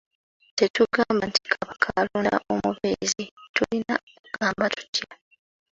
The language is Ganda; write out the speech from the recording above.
Tetugamba nti Kabaka alonda omubeezi, tulina kugamba tutya?